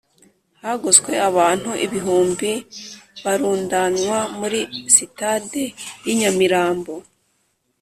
hagoswe abantu ibihumbi barundanywa muri sitade y'i nyamirambo